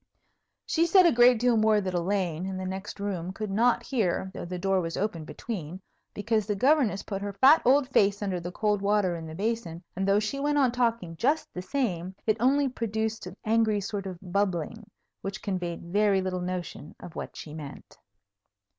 She said a great deal more that Elaine, in the next room, could not hear (though the door was open between), because the Governess put her fat old face under the cold water in the basin, and, though she went on talking just the same, it only produced an angry sort of bubbling, which conveyed very little notion of what she meant.